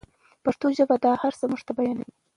پښتو ژبه دا هر څه موږ ته بیانوي.